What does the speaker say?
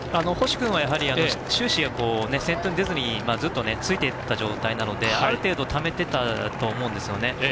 星君は終始、先頭に出ずにずっとついてた状態なのである程度ためてたと思うんですよね。